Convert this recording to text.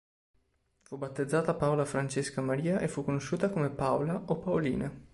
Fu battezzata Paola Francesca Maria e fu conosciuta come Paola o Paolina.